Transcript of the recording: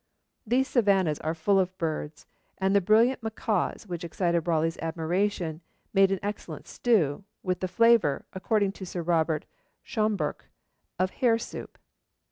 These savannahs are full of birds, and the brilliant macaws which excited Raleigh's admiration make an excellent stew, with the flavour, according to Sir Robert Schomburgk, of hare soup.